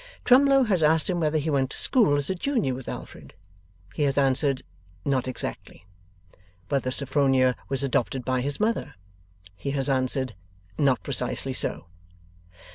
Twemlow has asked him whether he went to school as a junior with Alfred? He has answered, 'Not exactly.' Whether Sophronia was adopted by his mother? He has answered, 'Not precisely so.